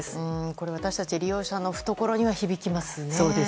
これ私たち、利用者の懐には響きますね。